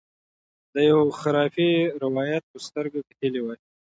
د یوه خرافي روایت په سترګه کتلي وای.